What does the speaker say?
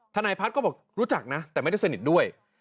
นายพัฒน์ก็บอกรู้จักนะแต่ไม่ได้สนิทด้วย